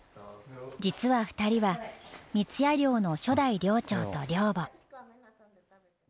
実は２人は三矢寮の初代寮長と寮母。